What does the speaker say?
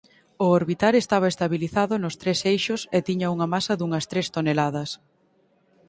O orbitar estaba estabilizado nos tres eixos e tiña unha masa dunhas tres toneladas.